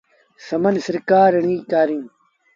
سمن سرڪآر ريٚ ڪهآڻي۔